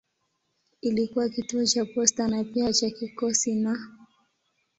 Ilikuwa kituo cha posta na pia cha kikosi na.